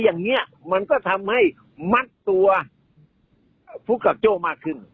อย่างนี้มันก็ทำให้มัดตัวผู้กับโจ้มากขึ้น